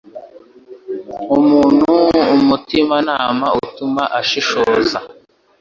umuntu umutimanama utuma ashishoza